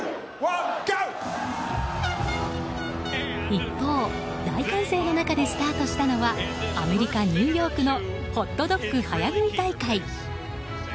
一方、大歓声の中でスタートしたのはアメリカ・ニューヨークのホットドッグ早食い大会。